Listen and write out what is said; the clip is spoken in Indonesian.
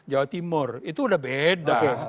jawa timur itu udah beda